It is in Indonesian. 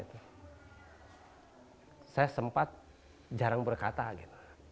saya sempat jarang berkata gitu